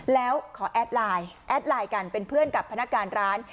แล้วขอแอดไลน์แอดไลน์กันเป็นเพื่อนกับพนักงานร้าน